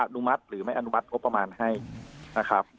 นุมัติหรือไม่อนุมัติงบประมาณให้นะครับ